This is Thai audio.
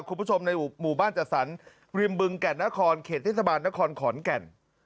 คุณผู้ชมในหมู่บ้านจัดสรรริมบึงแก่นนครเขตเทศบาลนครขอนแก่น